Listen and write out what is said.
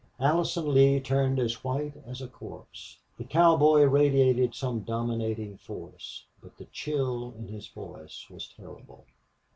Allison Lee turned as white as a corpse. The cowboy radiated some dominating force, but the chill in his voice was terrible.